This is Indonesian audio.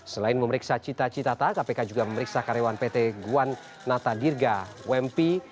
selain memeriksa cita citata kpk juga memeriksa karyawan pt guan nata dirga wempi